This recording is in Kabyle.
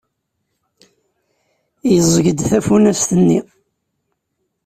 Yeẓẓeg-d tafunast-nni.